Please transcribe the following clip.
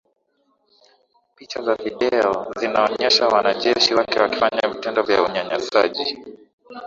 picha za video zinaonyesha wanajeshi wake wakifanya vitendo vya unyanyasaji